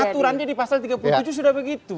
aturannya di pasal tiga puluh tujuh sudah begitu